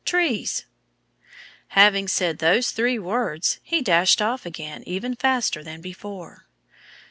"Trees!" Having said those three words he dashed off again even faster than before.